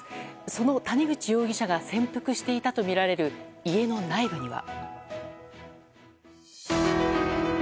その谷口容疑者が潜伏していたとみられる家の内部には。